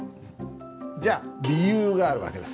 じゃあ理由がある訳です。